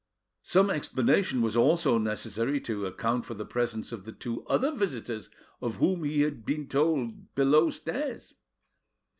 Some explanation was also necessary to account for the presence of the two other visitors of whom he had been told below stairs.